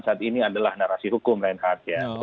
saat ini adalah narasi hukum lainnya